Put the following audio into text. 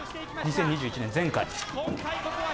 ２０２１年、前回。